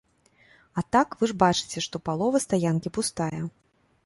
А так, вы ж бачыце, што палова стаянкі пустая.